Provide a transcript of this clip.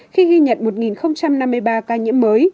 khi ghi nhận một năm mươi ba ca nhiễm mới